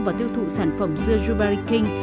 và tiêu thụ sản phẩm dưa yubari king